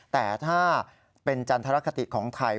แต่ถ้าเป็นจันทรคติของไทย